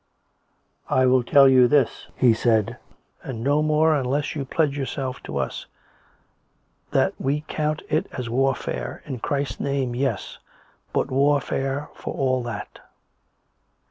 I will tell you this," he said, " and no more unless you pledge yourself to us ... that we count it as warfare — in Christ's Name yes — but war fare for all that."